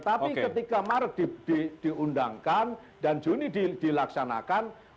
tapi ketika maret diundangkan dan juni dilaksanakan